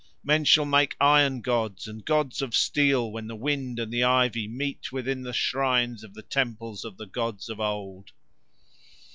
Men shall make iron gods and gods of steel when the wind and the ivy meet within the shrines of the temples of the gods of old.